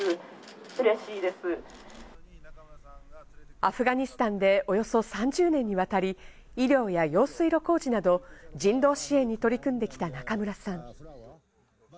アフガニスタンでおよそ３０年にわたり、医療や用水路工事など人道支援に取り組んできた中村さん。